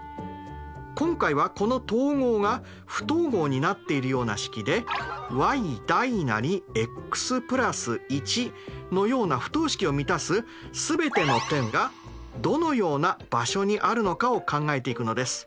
今回はこの等号が不等号になっているような式でｙｘ＋１のような不等式を満たす全ての点がどのような場所にあるのかを考えていくのです。